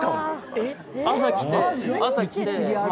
朝来てま